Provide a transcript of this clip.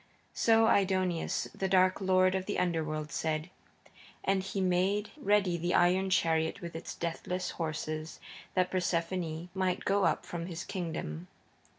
So Aidoneus, the dark lord of the Underworld said, and he made ready the iron chariot with its deathless horses that Persephone might go up from his kingdom.